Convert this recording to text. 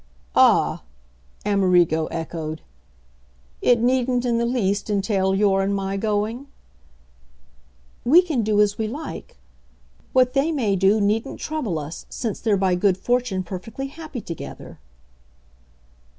"Ah," Amerigo echoed, "it needn't in the least entail your and my going?" "We can do as we like. What they may do needn't trouble us, since they're by good fortune perfectly happy together."